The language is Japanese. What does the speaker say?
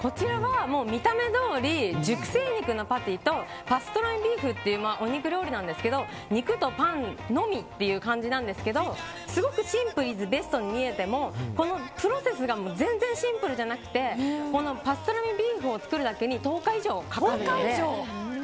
見た目どおり熟成肉のパティとパストラミビーフというお肉料理なんですけど肉とパンのみという感じなんですがすごくシンプルイズベストに見えてもこのプロセスが全然シンプルじゃなくてパストラミビーフを作るだけで１０日以上かかる。